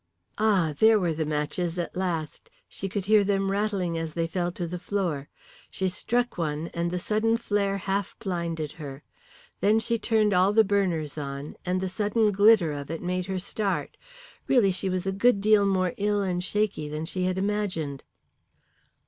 Ah, there were the matches at last. She could hear them rattling as they fell to the floor. She struck one, and the sudden flare half blinded her. Then she turned all the burners on, and the sudden glitter of it made her start. Really she was a good deal more ill and shaky than she had imagined.